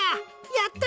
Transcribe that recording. やった！